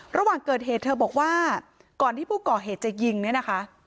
ระหว่างเกิดเหตุเธอบอกว่าก่อนที่ผู้ก่อเหตุจะยิงเนี่ยนะคะ